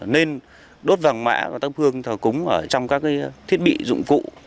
nên đốt vàng mã có tăng phương thờ cúng trong các thiết bị dụng cụ